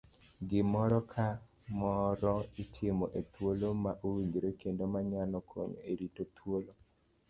Gimoro ka moro itimo e thuolo ma owinjore kendo manyalo konyo e rito thuolo.